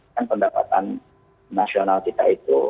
kan pendapatan nasional kita itu